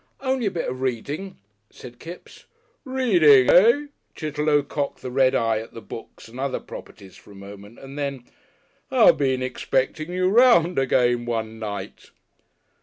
"Only a bit of reading," said Kipps. "Reading, eh?" Chitterlow cocked the red eye at the books and other properties for a moment and then, "I've been expecting you 'round again one night."